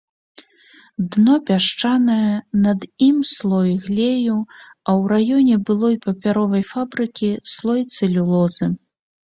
Дно пясчанае, над ім слой глею, а ў раёне былой папяровай фабрыкі слой цэлюлозы.